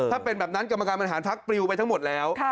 ถ้าเป็นแบบนั้นกรรมการบริหารพักปลิวไปทั้งหมดแล้ว